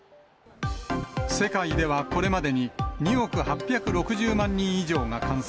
世界ではこれまでに、２億８６０万人以上が感染。